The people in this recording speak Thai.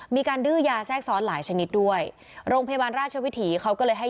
มีการดื้อยาแทรกซ้อนหลายชนิดด้วยโรงพยาบาลราชวิถีเขาก็เลยให้